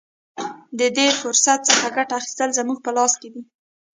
د دې فرصت څخه ګټه اخیستل زموږ په لاس کې دي.